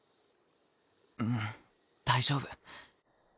ううん大丈夫。